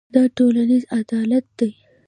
دا ټولنیز عدالت دی.